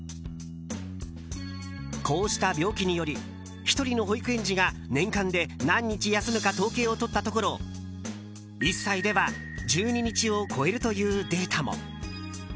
こうした病気により１人の保育園児が年間で何日休むか統計を取ったところ１歳では、１２日を超えるというデータも。